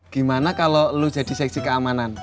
gimana kalau lo jadi seksi keamanan